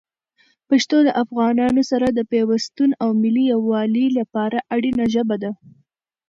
پښتو له افغانانو سره د پیوستون او ملي یووالي لپاره اړینه ژبه ده.